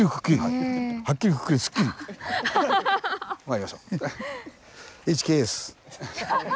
まいりましょう。